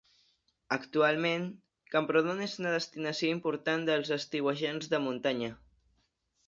Actualment, Camprodon és una destinació important dels estiuejants de muntanya.